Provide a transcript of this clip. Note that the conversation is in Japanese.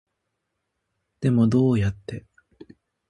でもどうやって